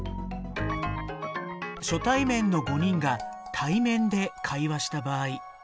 初対面の５人が対面で会話した場合。